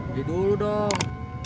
dari dulu dong